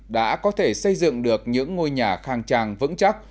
đã có thể xây dựng được những ngôi nhà khang trang vững chắc